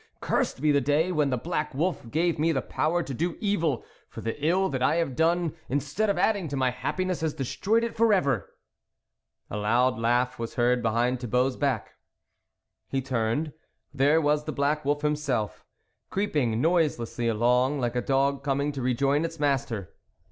Cursed be the day when the black wolf gave me the power to do evil, for the ill that I have done, instead of adding to my happiness, has destroyed it for ever !" A loud laugh was heard behind Thi bault's back. He turned ; there was the black wolf himself, creeping noiselessly along, like a dog coming to rejoin its master.